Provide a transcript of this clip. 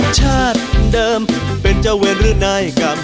ชาติเดิมเป็นเจ้าเวรหรือนายกรรม